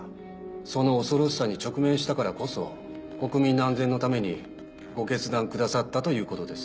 その恐ろしさに直面したからこそ国民の安全のためにご決断くださったということです。